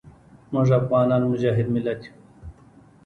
موږ افغانان مجاهد ملت یو.